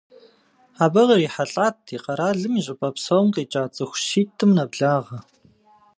Абы кърихьэлӏат ди къэралым и щӏыпӏэ псоми къикӏа цӏыху щитӏым нэблагъэ.